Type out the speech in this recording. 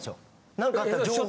何かあったら情報を。